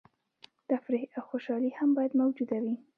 تفریح او خوشحالي هم باید موجوده وي.